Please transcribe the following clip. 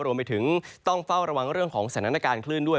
รวมไปถึงต้องเฝ้าระวังเรื่องของสถานการณ์คลื่นด้วย